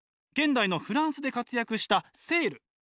現代のフランスで活躍したセール。